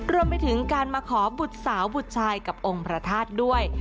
รวมไปถึงการมาขอบุตรสาวบุตรชายกับองค์พระธาตุด้วย